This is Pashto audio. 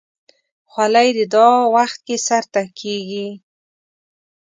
خولۍ د دعا وخت کې سر ته کېږي.